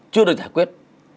chưa được giải quyết